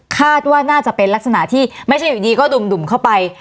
คาดว่าน่าจะเป็นลักษณะที่ไม่ใช่อยู่ดีก็ดุ่มเข้าไป